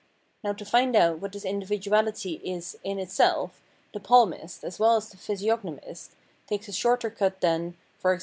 Now to find out what this individuality is in it self, the palmist, as well as the physiognomist, takes a shorter cut than, e.g.